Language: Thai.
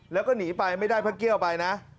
แล้วก็หนีไปไม่ได้พระเกี่ยวไปนะ